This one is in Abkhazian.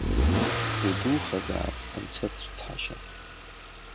Удухазаап, анцәа срыцҳашьа!